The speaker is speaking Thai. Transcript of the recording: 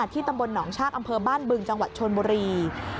ตำบลหนองชากอำเภอบ้านบึงจังหวัดชนบุรี